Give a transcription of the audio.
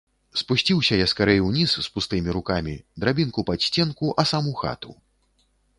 Спусціўся я скарэй уніз з пустымі рукамі, драбінку пад сценку, а сам у хату.